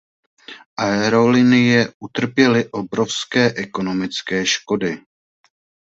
Aerolinie utrpěly obrovské ekonomické škody.